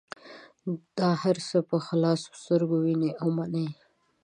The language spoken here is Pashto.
دا هر څه په خلاصو سترګو وینې او مني.